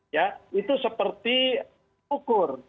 ya itu seperti ukur